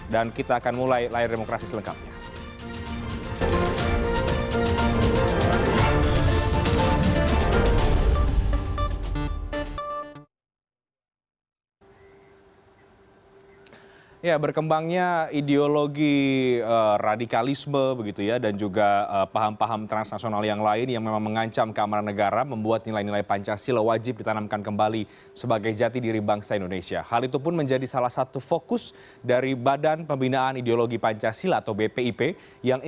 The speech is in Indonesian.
dan kita akan mulai layar demokrasi selengkapnya